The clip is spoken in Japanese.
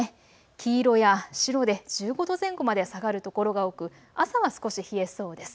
黄色や白で１５度前後まで下がる所が多く朝は少し冷えそうです。